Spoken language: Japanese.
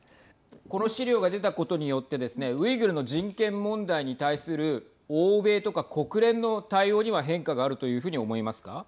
この資料が出たことによってウイグルの人権問題に対する欧米とか国連の対応には変化があるというふうに思いますか。